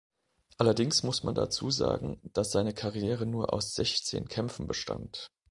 Allerdings muss man dazu sagen, dass seine Karriere nur aus sechzehn Kämpfen bestand.